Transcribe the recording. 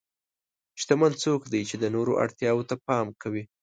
شتمن څوک دی چې د نورو اړتیا ته پام کوي.